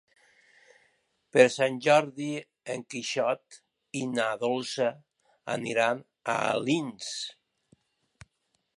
Per Sant Jordi en Quixot i na Dolça aniran a Alins.